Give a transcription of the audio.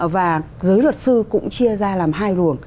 và giới luật sư cũng chia ra làm hai luồng